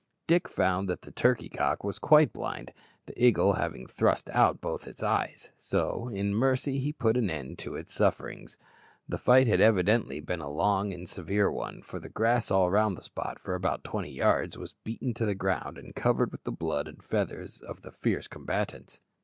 Dick found that the turkey cock was quite blind, the eagle having thrust out both its eyes, so, in mercy, he put an end to its sufferings. The fight had evidently been a long and severe one, for the grass all round the spot, for about twenty yards, was beaten to the ground, and covered with the blood and feathers of the fierce combatants.